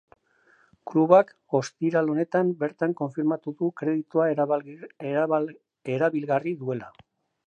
Klubak ostiral honetan bertan konfirmatu du kreditua erabilgarri duela.